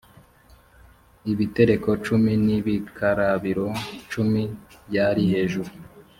ibitereko cumi n ibikarabiro cumi byari hejuru